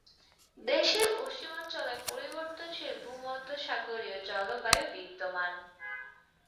দেশের পশ্চিমাঞ্চলে পরিবর্তনশীল ভূমধ্যসাগরীয় জলবায়ু বিদ্যমান।